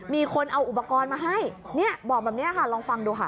มีคนเอาอุปกรณ์มาให้เนี่ยบอกแบบนี้ค่ะลองฟังดูค่ะ